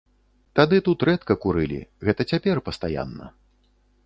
Тады тут рэдка курылі, гэта цяпер пастаянна.